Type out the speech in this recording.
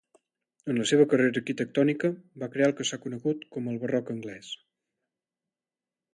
En la seva carrera arquitectònica, va crear el que s'ha conegut com el barroc anglès.